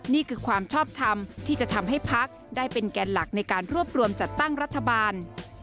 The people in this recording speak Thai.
นี่คือความชอบทำที่จะทำให้พักได้เป็นแกนหลักในการรวบรวมจัดตั้งรัฐบาล